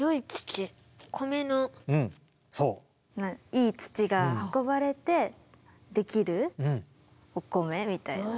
いい土が運ばれてできるお米みたいな。